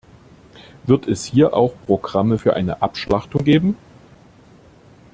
Wird es hier auch Programme für eine Abschlachtung geben?